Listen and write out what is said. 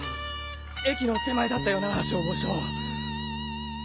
駅の手前だったよな消防署。